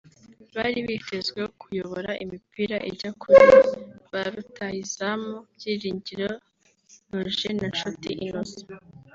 bari bitezweho kuyobora imipira ijya kuri ba rutahizamu Byiringiro Lague na Nshuti Innocent